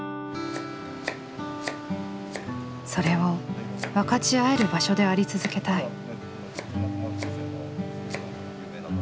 それを分かち合える場所であり続けたい。